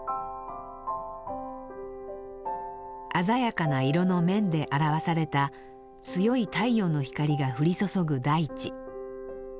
鮮やかな色の面で表された強い太陽の光が降り注ぐ大地。